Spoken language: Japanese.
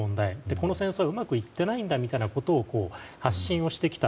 この戦争はうまくいっていないんだということを発信をしてきた、